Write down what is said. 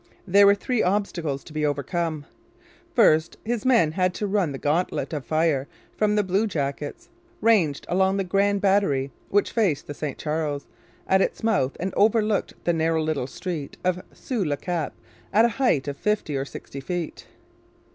There were three obstacles to be overcome. First, his men had to run the gauntlet of the fire from the bluejackets ranged along the Grand Battery, which faced the St Charles at its mouth and overlooked the narrow little street of Sous le Cap at a height of fifty or sixty feet.